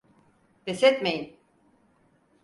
Pes etmeyin.